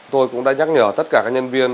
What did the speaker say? tôi cũng đã nhắc nhở tất cả nhân viên